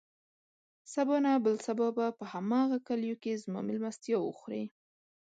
سبا نه، بل سبا به په هماغه کليو کې زما مېلمستيا وخورې.